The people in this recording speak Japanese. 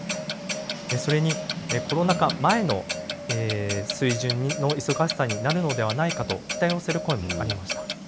それに、コロナ禍前の水準の忙しさになるのではないかと期待をする声もありました。